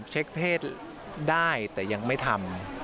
เช็คเพศได้แต่ยังไม่ทำ